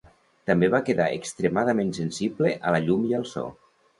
També va quedar extremadament sensible a la llum i al so.